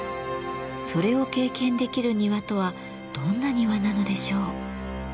それを経験できる庭とはどんな庭なのでしょう？